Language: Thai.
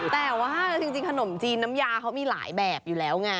แต่ว่าจริงขนมจีนน้ำยาเขามีหลายแบบอยู่แล้วไง